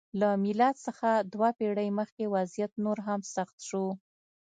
له میلاد څخه دوه پېړۍ مخکې وضعیت نور هم سخت شو.